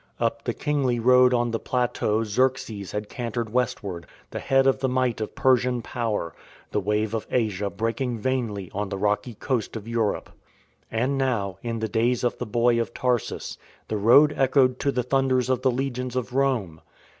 Up the kingly Road on the plateau Xerxes had cantered westward, the head of the might of Persian power — the wave of Asia breaking vainly on the rocky coast of Europe. And now, in the days of the Boy of Tarsus, the Road echoed to the thunders of the legions of Rome.